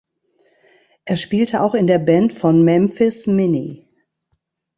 Er spielte auch in der Band von Memphis Minnie.